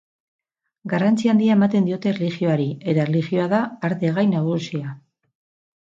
Garrantzi handia ematen diote erlijioari, eta erlijioa da arte-gai nagusia.